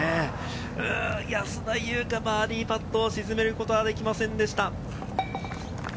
安田祐香、バーディーパットを沈めることができませんでした。